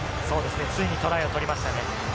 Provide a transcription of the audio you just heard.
ついにトライをとりましたね。